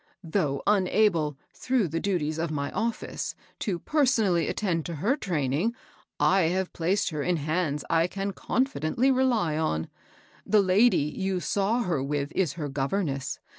^^ Though unable, through the duties of my office, to attend personally to her training, I have placed her in hands I can confidently rely on. The lady you saw her with is her governess.